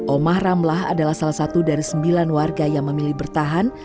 omah ramlah adalah salah satu dari sembilan warga yang memilih bertahan